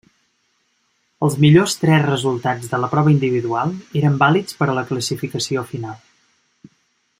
Els millors tres resultats de la prova individual eren vàlids per a la classificació final.